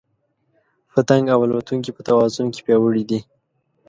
پتنګ او الوتونکي په توازن کې پیاوړي دي.